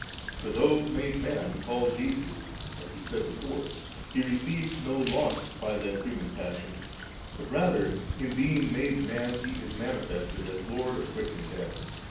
For though made man, and called Jbsus, as we said before^ He received no loss by that hu man passion, but rather, in being made man, He is manifested as Lord of quick and dead.